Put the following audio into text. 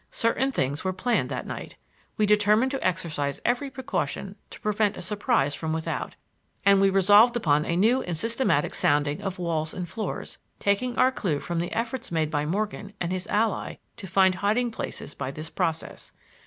Certain things were planned that night. We determined to exercise every precaution to prevent a surprise from without, and we resolved upon a new and systematic sounding of walls and floors, taking our clue from the efforts made by Morgan and his ally to find hiding places by this process.